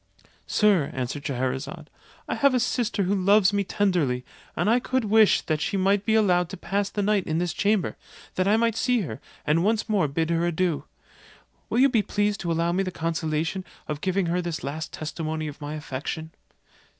"Sir," answered Scheherazade, "I have a sister who loves me tenderly, and I could wish that she might be allowed to pass the night in this chamber, that I might see her, and once more bid her adieu. Will you be pleased to allow me the consolation of giving her this last testimony of my affection?"